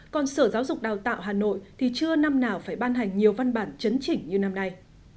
còn sở giáo dục đào tạo hà nội thì chưa năm nào phải ban hành nhiều văn bản chấn chỉnh như năm nay